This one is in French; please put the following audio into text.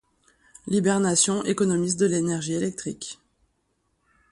L'hibernation économise de l'énergie électrique.